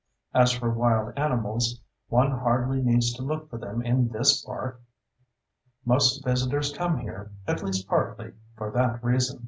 As for wild animals, one hardly needs to look for them in this park! Most visitors come here, at least partly, for that reason.